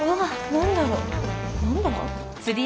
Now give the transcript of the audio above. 何だ？